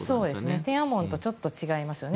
天安門とはちょっと違いますよね。